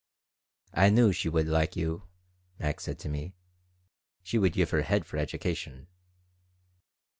"I knew she would like you," Max said to me. "She would give her head for education.